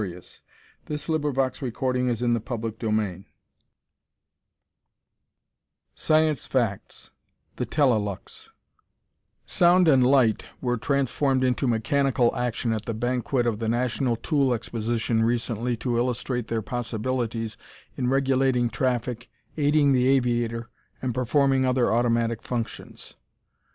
"Now, there's a little matter out in Ohio, Del, that we'll have to get after " THE "TELELUX" Sound and light were transformed into mechanical action at the banquet of the National Tool Exposition recently to illustrate their possibilities in regulating traffic, aiding the aviator, and performing other automatic functions.